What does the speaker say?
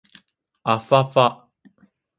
あふぁふぁ